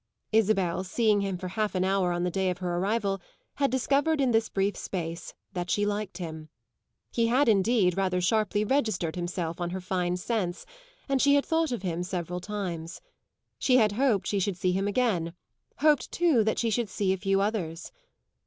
Isabel, seeing him for half an hour on the day of her arrival, had discovered in this brief space that she liked him; he had indeed rather sharply registered himself on her fine sense and she had thought of him several times. She had hoped she should see him again hoped too that she should see a few others.